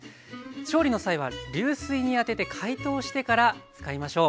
調理の際は流水に当てて解凍してから使いましょう。